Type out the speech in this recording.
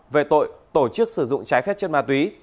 về tội tổ chức sử dụng trái phép chất ma túy